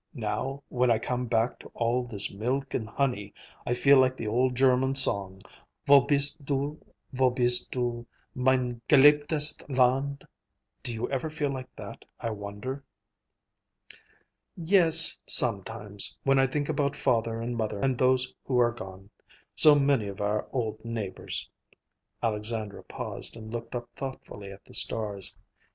Now, when I come back to all this milk and honey, I feel like the old German song, 'Wo bist du, wo bist du, mein geliebtest Land?'—Do you ever feel like that, I wonder?" "Yes, sometimes, when I think about father and mother and those who are gone; so many of our old neighbors." Alexandra paused and looked up thoughtfully at the stars.